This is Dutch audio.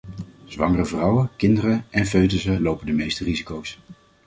Zwangere vrouwen, kinderen en foetussen lopen de meeste risico's.